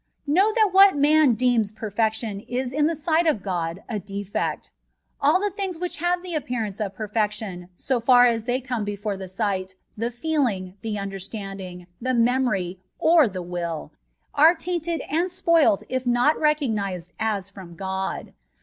Know that what man deems perfectìon ìs in the sight of God a defect. Ali the thìngs which have the appearance of perfection, so far as they come before the sight, the feeling, the understanding, the memory, or the will, are tainted and spoilt if not recognised as from God.